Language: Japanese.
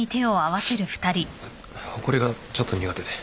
ほこりがちょっと苦手で。